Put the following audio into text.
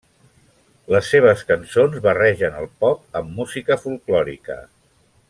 Les seves cançons barregen el pop amb música folklòrica.